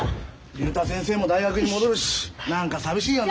竜太先生も大学に戻るし何か寂しいよな。